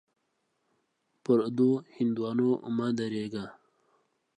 پر دوو هندوانو مه درېږه.